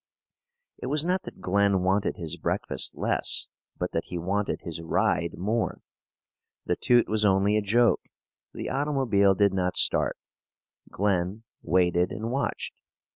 It was not that Glen wanted his breakfast less, but that he wanted his ride more. The toot was only a joke. The automobile did not start. Glen waited and watched.